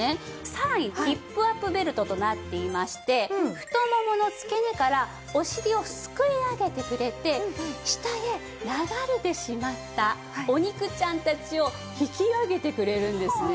さらにヒップアップベルトとなっていまして太ももの付け根からお尻をすくい上げてくれて下へ流れてしまったお肉ちゃんたちを引き上げてくれるんですね。